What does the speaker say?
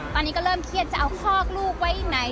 ตอนนี้ก็เริ่มเครียดจะเอาคอกลูกไว้ไหน